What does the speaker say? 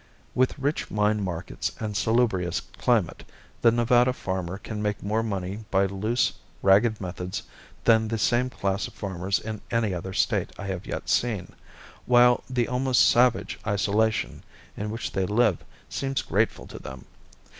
With rich mine markets and salubrious climate, the Nevada farmer can make more money by loose, ragged methods than the same class of farmers in any other State I have yet seen, while the almost savage isolation in which they live seems grateful to them.